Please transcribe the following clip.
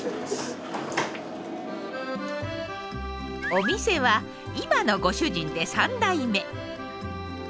お店は今のご主人で３代目。